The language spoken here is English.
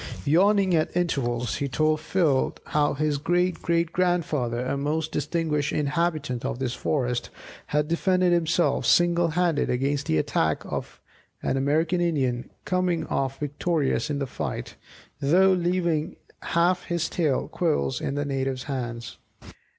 Yawning at intervals, he told Phil how his great great grandfather ("a most distinguished inhabitant of this forest") had defended himself single handed against the attack of an American Indian, coming off victorious in the fight, though leaving half his tail quills in the native's hands.